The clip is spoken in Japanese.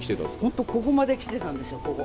本当、ここまで来てたんですよ、ここ。